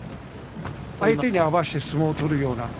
相手に合わせて相撲を取るような。